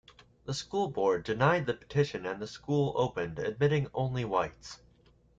The school board denied the petition and the school opened, admitting only whites.